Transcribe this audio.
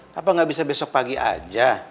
papa nggak bisa besok pagi aja